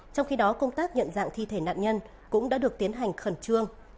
trong khi đó công tác nhận dạng thi thể nạn nhân cũng đã được tiến hành khẩn trương